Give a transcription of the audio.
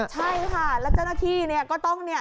ใช่ค่ะแล้วเจ้าหน้าที่ก็ต้อง